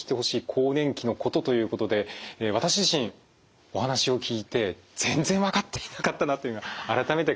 更年期のこと」ということで私自身お話を聞いて全然分かっていなかったなというのが改めて感じました。